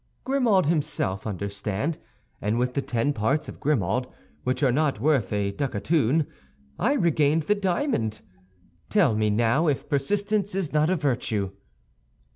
"Grimaud himself, understand; and with the ten parts of Grimaud, which are not worth a ducatoon, I regained the diamond. Tell me, now, if persistence is not a virtue?"